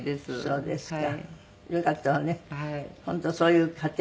そうですね。